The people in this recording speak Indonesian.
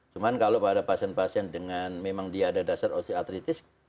cuma kalau pada pasien pasien dengan memang dia ada dasar osteoartritis